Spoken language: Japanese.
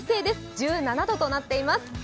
１７度となっています。